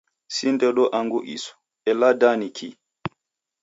Si ndodo angu isu, ela da ni kii?